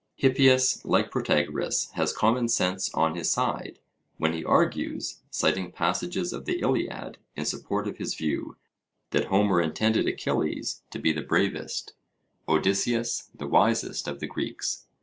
Hippias like Protagoras has common sense on his side, when he argues, citing passages of the Iliad in support of his view, that Homer intended Achilles to be the bravest, Odysseus the wisest of the Greeks.